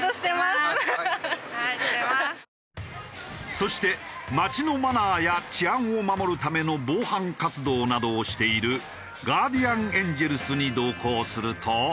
そして街のマナーや治安を守るための防犯活動などをしているガーディアン・エンジェルスに同行すると。